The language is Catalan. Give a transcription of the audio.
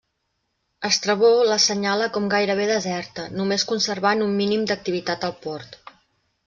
Estrabó l'assenyala com gairebé deserta, només conservant un mínim d'activitat al port.